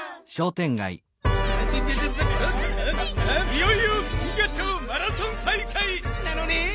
いよいよ銀河町マラソン大会なのねん！